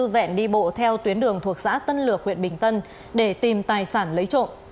vẹn đi bộ theo tuyến đường thuộc xã tân lược huyện bình tân để tìm tài sản lấy trộm